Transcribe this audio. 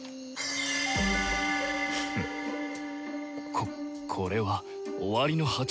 ここれは「終わりの鉢」！